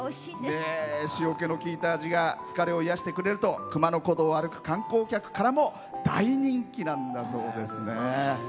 塩気のきいた味が疲れを癒やしてくれると熊野古道を歩く観光客からも大人気なんだそうです。